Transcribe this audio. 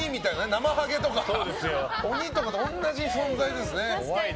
なまはげとか鬼とかと同じ存在なんですね。